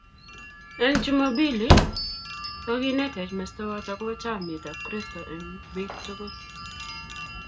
Eng jumambili kokinetech mestowot akobo chamnyet ab kristo eng biik tukul